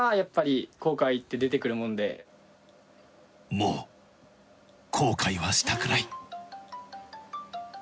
もう後悔はしたくない。